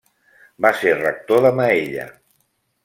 Va ser rector de Maella.